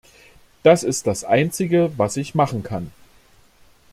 Das ist das einzige, was ich machen kann.